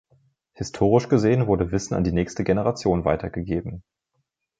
Historisch gesehen wurde Wissen an die nächste Generation weitergegeben.